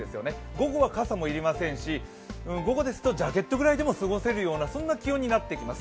午後は傘も要りませんし午後ですとジャケットで過ごせるようなそんな気温になってきます。